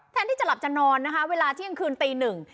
แทนที่จะหลับจะนอนนะคะเวลาเที่ยงคืนตีหนึ่ง